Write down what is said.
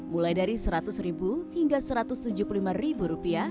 mulai dari rp seratus hingga rp satu ratus tujuh puluh lima